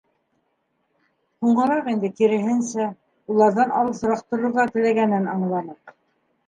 Һуңыраҡ инде, киреһенсә, уларҙан алыҫыраҡ торорға теләгәнен аңланыҡ.